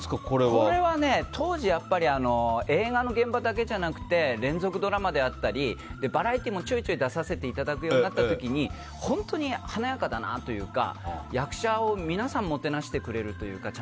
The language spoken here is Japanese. これはね、当時映画の現場だけじゃなくて連続ドラマであったりバラエティーもちょいちょい出させていただくようになった時に本当に華やかだなというか役者を皆さんがちゃんともてなしてくれるというか。